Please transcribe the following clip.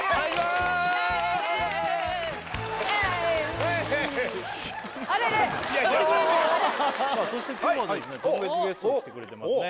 ウエーイあれれさあそして今日はですね特別ゲスト来てくれてますね